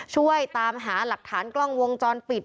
ช่วยตามหาหลักฐานกล้องวงจรปิด